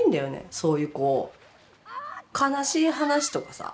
そういうこう悲しい話とかさ